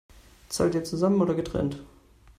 Zahlt ihr zusammen oder getrennt?